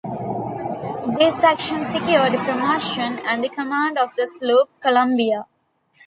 This action secured promotion and the command of the sloop "Columbia".